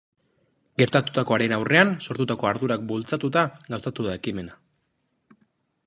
Gertatutakoaren aurrean sortutako ardurak bultzatuta gauzatu da ekimena.